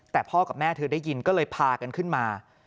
แต่พ่อกับแม่เธอได้ยินก็เลยพากันขึ้นมา